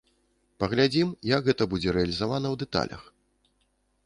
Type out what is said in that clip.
Паглядзім, як гэта будзе рэалізавана ў дэталях.